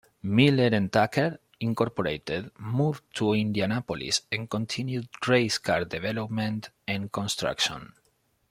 Miller and Tucker, Incorporated moved to Indianapolis and continued race car development and construction.